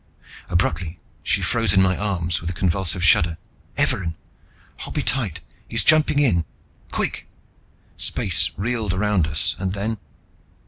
Abruptly she froze in my arms, with a convulsive shudder. "Evarin! Hold me, tight he's jumping in! Quick!" Space reeled round us, and then....